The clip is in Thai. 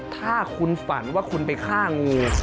ถ้าคุณฝันว่าคุณไปฆ่างู